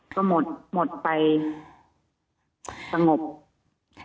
ก็หมดไปสงบ